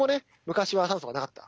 昔は酸素がなかった。